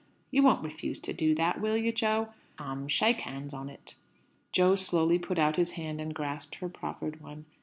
You won't refuse to do that, will you, Jo? Come, shake hands on it!" Jo slowly put out his hand and grasped her proffered one.